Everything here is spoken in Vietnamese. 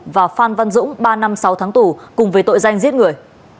và phan văn dũng ba năm sáu tháng tù cùng với tội danh giết người